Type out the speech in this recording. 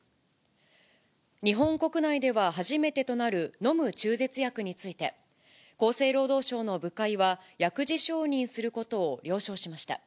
日本国内では初めてとなる、飲む中絶薬について、厚生労働省の部会は、薬事承認することを了承しました。